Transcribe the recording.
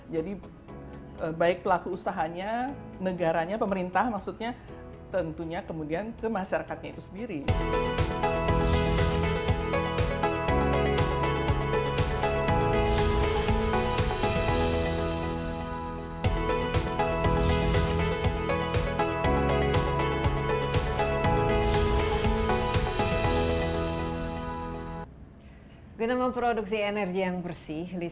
jadi baik pelaku usahanya negaranya pemerintah maksudnya tentunya kemudian ke masyarakatnya itu sendiri